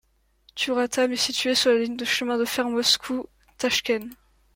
Tiouratam est située sur la ligne de chemin de fer Moscou - Tachkent.